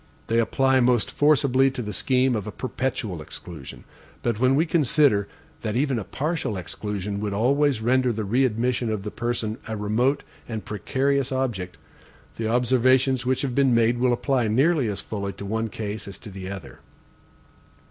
They apply most forcibly to the scheme of a perpetual exclusion; but when we consider that even a partial exclusion would always render the readmission of the person a remote and precarious object, the observations which have been made will apply nearly as fully to one case as to the other.